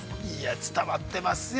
◆伝わってますよ。